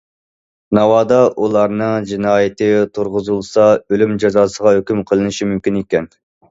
ناۋادا، ئۇلارنىڭ جىنايىتى تۇرغۇزۇلسا، ئۆلۈم جازاسىغا ھۆكۈم قىلىنىشى مۇمكىن ئىكەن.